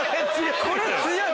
これ強い！